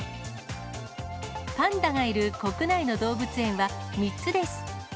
パンダがいる国内の動物園は３つです。